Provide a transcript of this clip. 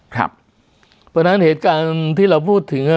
เพราะฉะนั้นเหตุการณ์ที่เราพูดถึง